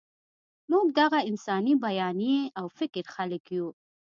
موږ د دغه انساني بیانیې او فکر خلک یو.